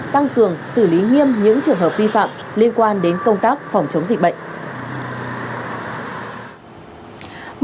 tăng cường xử lý nghiêm những trường hợp vi phạm liên quan đến công tác phòng chống dịch bệnh